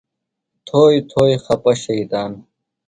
تھوئی تھوئی خپہ شیطان